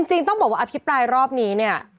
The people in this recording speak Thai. จริงต้องบอกว่าอภิปรายรอบนี้เนี่ย